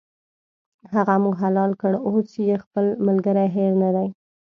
هغه مو حلال کړ، اوس یې خپل ملګری هېر نه دی.